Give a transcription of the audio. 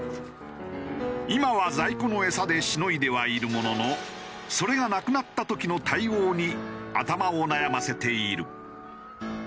今は在庫の餌でしのいではいるもののそれがなくなった時の対応に頭を悩ませている。